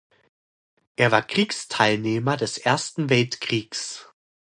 Er war Kriegsteilnehmer des Ersten Weltkriegs.